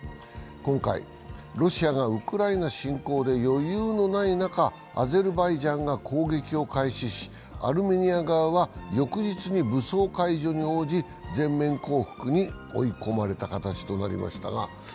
今回、ロシアがウクライナ侵攻で余裕のない中、アゼルバイジャンが攻撃を開始しアルメニア側は翌日に武装解除に応じ全面降伏に追い込まれた形となりました。